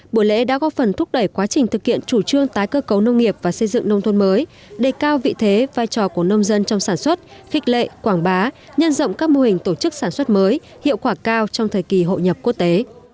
buổi lễ đã góp phần thúc đẩy quá trình thực hiện chủ trương tái cơ cấu nông nghiệp và xây dựng nông thôn mới đề cao vị thế vai trò của nông dân trong sản xuất khích lệ quảng bá nhân rộng các mô hình tổ chức sản xuất mới hiệu quả cao trong thời kỳ hội nhập quốc tế